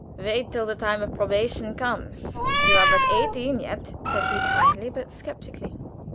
"Wait till the time of probation comes; you are but eighteen yet," said he, kindly, but skeptically.